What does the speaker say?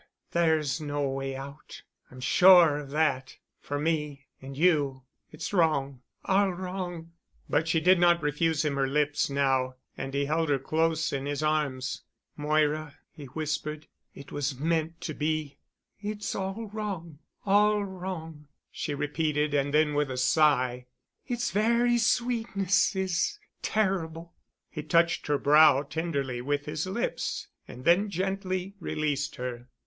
There's no way out—I'm sure of that—for me—and you. It's wrong—all wrong——" But she did not refuse him her lips now and he held her close in his arms. "Moira," he whispered. "It was meant to be." "It's wrong—all wrong," she repeated. And then with a sigh, "Its very sweetness—is—terrible——" He touched her brow tenderly with his lips and then gently released her.